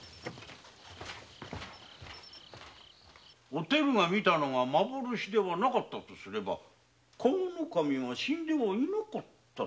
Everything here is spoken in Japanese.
お照の見たのが幻でなかったとすれば加賀守は死んではいなかった。